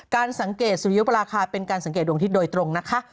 การสังเกตสุริยุปราคาเป็นการสังเกตดวงอาทิตย์โดยตรงนะคะ